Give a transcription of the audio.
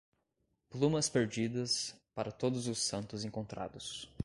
Plumas perdidas, para Todos os Santos encontrados.